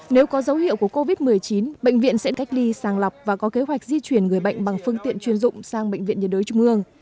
nếu có dấu hiệu của covid một mươi chín bệnh viện sẽ cách ly sàng lọc và có kế hoạch di chuyển người bệnh bằng phương tiện chuyên dụng sang bệnh viện nhiệt đới trung ương